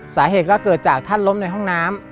สาเหตุก็เกิดจากท่านล้มในห้องน้ำ